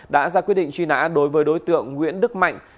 đã ra quyết định truy nã đối với đối tượng nguyễn đức mạnh